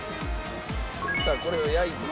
さあこれを焼いて。